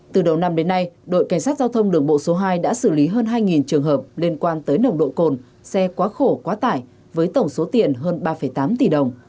từ đầu năm đến nay đội cảnh sát giao thông đường bộ số hai đã xử lý hơn hai trường hợp liên quan tới nồng độ cồn xe quá khổ quá tải với tổng số tiền hơn ba tám tỷ đồng